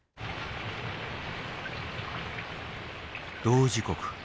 同時刻。